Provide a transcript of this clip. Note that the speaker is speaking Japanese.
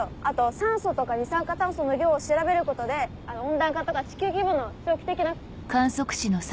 あと酸素とか二酸化炭素の量を調べることで温暖化とか地球規模の長期的な。